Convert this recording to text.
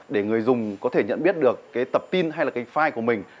để người dùng có thể nhận biết được cái tập tin hay là cái file của mình